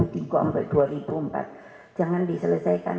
sampai dua ribu empat jangan diselesaikan